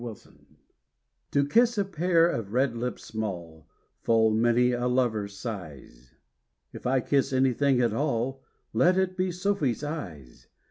THE EYES To kiss a pair of red lips small Full many a lover sighs; If I kiss anything at all, Let it be Sophy's eyes.